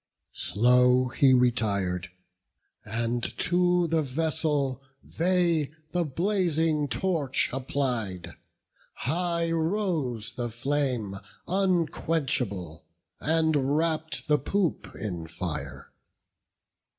Slow he retir'd; and to the vessel they The blazing torch applied; high rose the flame Unquenchable, and wrapp'd the poop in fire.